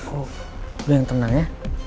lu yang tenang ya